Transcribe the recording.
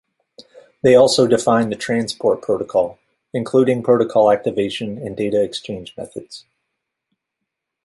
They also define the transport protocol, including protocol activation and data-exchange methods.